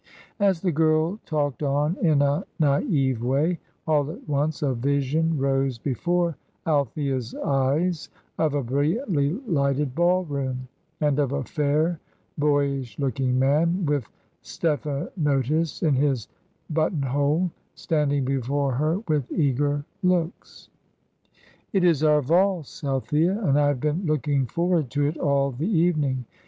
As the girl talked on in a naive way, all at once a vision rose before Althea's eyes of a brilliantly lighted ball room, and of a fair, boyish looking man, with stephanotis in his buttonhole, standing before her with eager looks. "It is our valse, Althea, and I have been looking forward to it all the evening."